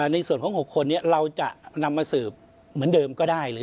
ในส่วนของ๖คนนี้เราจะนำมาสืบเหมือนเดิมก็ได้เลย